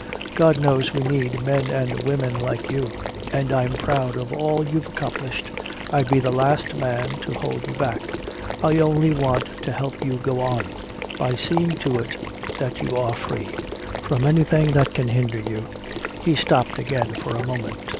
God knows we need men and women like you and I'm proud of all you've accomplished, I'd be the last man to hold you back. I only want to help you go on by seeing to it that you are free from anything which can hinder you." He stopped again for a moment.